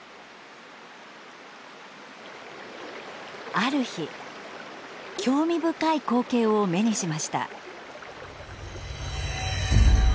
ある日興味深い光景を目にしました。